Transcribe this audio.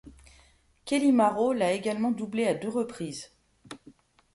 Kelly Marot l'a également doublé à deux reprises.